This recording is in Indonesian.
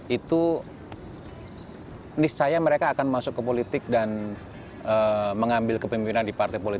itu niscaya mereka akan masuk ke politik dan mengambil kepemimpinan di partai politik